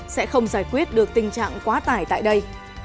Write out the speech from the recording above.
sẽ không giải quyết được tình trạng quá tải tại đây